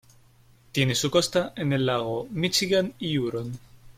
Tiene su costa en el lago Míchigan y Huron.